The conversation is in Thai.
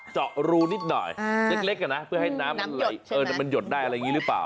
เจาะรูนิดหน่อยเล็กเพื่อให้น้ำมันไหลมันหยดได้อะไรอย่างนี้หรือเปล่า